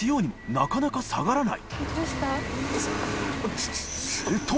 なかなか下がらない大島）